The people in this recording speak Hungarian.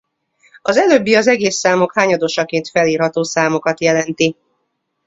Az előbbi az egész számok hányadosaként felírható számokat jelenti.